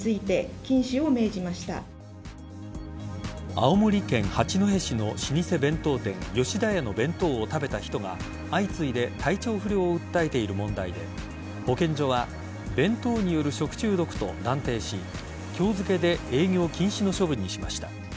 青森県八戸市の老舗弁当店吉田屋の弁当を食べた人が相次いで体調不良を訴えている問題で保健所は弁当による食中毒と断定し今日付で営業禁止の処分にしました。